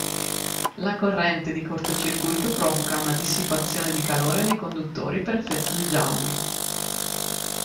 La corrente di cortocircuito provoca una dissipazione di calore nei conduttori per effetto Joule.